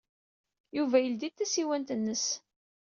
Yuba yeldey-d tasiwant-nnes.